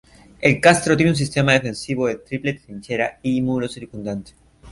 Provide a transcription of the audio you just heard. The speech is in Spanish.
El castro tiene un sistema defensivo de triple trinchera y muro circundante.